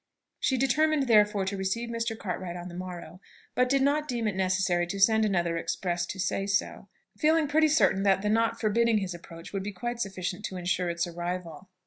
She determined therefore to receive Mr. Cartwright on the morrow, but did not deem it necessary to send another express to say so, feeling pretty certain that the not forbidding his approach would be quite sufficient to ensure its arrival.